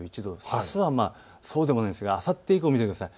あすはそうでもないんですがあす以降を見てください。